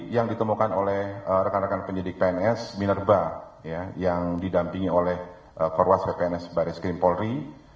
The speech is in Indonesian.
yang ditemukan oleh rekan rekan penyidik pns minerba yang didampingi oleh perwas pns barat skrimpolri